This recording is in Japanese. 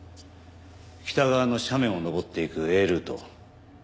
北側の斜面を登っていくＡルート。